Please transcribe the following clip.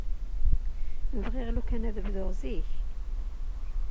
Bɣiɣ lukan ad bduɣ zik.